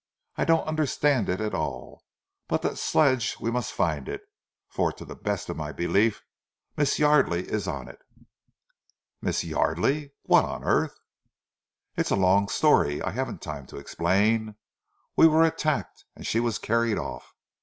I don't understand it at all, but that sledge, we must find it, for to the best of my belief, Miss Yardely is on it." "Miss Yardely! What on earth " "It is a long story. I haven't time to explain. We were attacked and she was carried off.